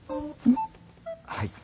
はい。